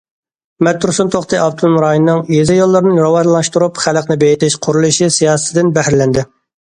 مەتتۇرسۇن توختى ئاپتونوم رايوننىڭ« يېزا يوللىرىنى راۋانلاشتۇرۇپ خەلقنى بېيىتىش» قۇرۇلۇشى سىياسىتىدىن بەھرىلەندى.